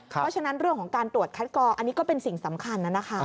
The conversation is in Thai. เพราะฉะนั้นเรื่องของการตรวจคัดกรองอันนี้ก็เป็นสิ่งสำคัญนะคะ